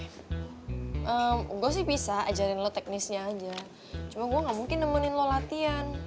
gue sih bisa ajarin lo teknisnya aja cuma gue gak mungkin nemenin lo latihan